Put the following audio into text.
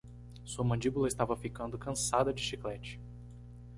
Sua mandíbula estava ficando cansada de chiclete.